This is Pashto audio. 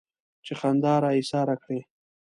چې خندا را ايساره کړي.